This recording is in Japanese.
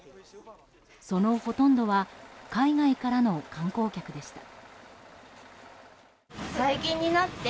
そのほとんどは海外からの観光客でした。